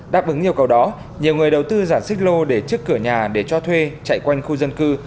đáp ứng yêu cầu đó nhiều người đầu tư giản xích lô để trước cửa nhà để cho thuê chạy quanh khu dân cư